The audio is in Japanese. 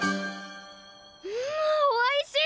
んおいしい！